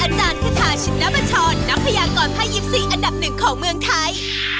อาจารย์คาทาชินบัชรนักพยากรภาค๒๔อันดับหนึ่งของเมืองไทย